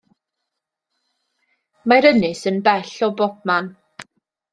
Mae'r ynys yn bell o bob man.